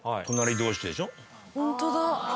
ホントだ。